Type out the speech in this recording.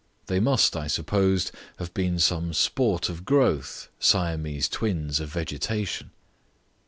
They must, I supposed, have been some sport of growth, Siamese twins of vegetation.